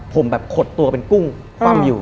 ผมแบบขดตัวเป็นกุ้งคว่ำอยู่